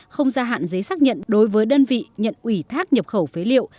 không gia hạn giấy xác nhận đối với đơn vị nhận ủy thác nhập khẩu phế liệu